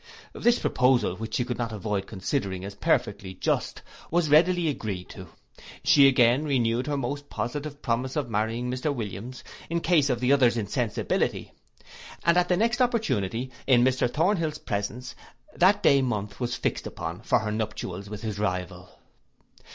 '—This proposal, which she could not avoid considering as perfectly just, was readily agreed to. She again renewed her most positive promise of marrying Mr Williams, in case of the other's insensibility; and at the next opportunity, in Mr Thornhill's presence, that day month was fixed upon for her nuptials with his rival.